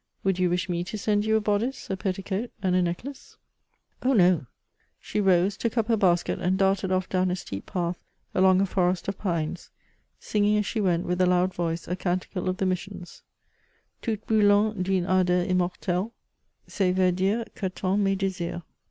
Would you wish me to send you a boddice, a petticoat, and a necklace ?" 248 MEMOIRS OF "Oh! no." She rose, took up her basket, and darted off down a steep path along a forest of pines, singing as she went with a loud voice a canticle of the Missions : Tout briilant d*une ardeur immortelle, C'est yers Dieu que tendent mes desirs.